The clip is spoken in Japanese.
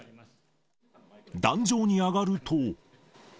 壇上に上がると。